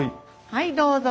はいどうぞ。